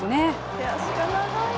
手足が長いな。